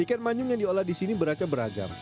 ikan manyung yang diolah di sini beragam